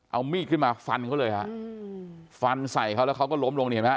เอามีดขึ้นมาฟันเขาเลยฮะฟันใส่เขาแล้วเขาก็ล้มลงนี่เห็นไหมฮ